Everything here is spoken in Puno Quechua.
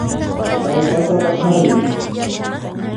Kallpasapa qhari.